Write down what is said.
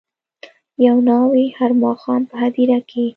یوه ناوي هر ماښام په هدیره کي